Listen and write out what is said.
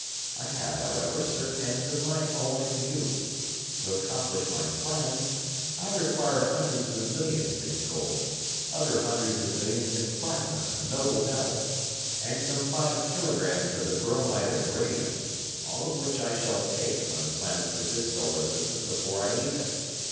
I have, however, certain ends of my own in view. To accomplish my plans I require hundreds of millions in gold, other hundreds of millions in platinum and noble metal, and some five kilograms of the bromide of radium all of which I shall take from the planets of this Solar System before I leave it.